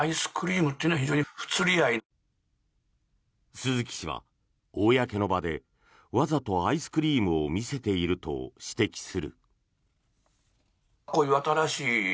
鈴木氏は、公の場でわざとアイスクリームを見せていると指摘する。